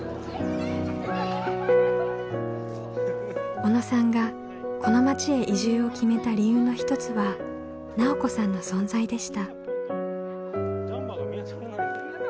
小野さんがこの町へ移住を決めた理由の一つは奈緒子さんの存在でした。